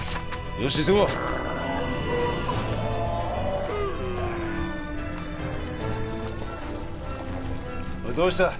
よし急ごうおいどうした？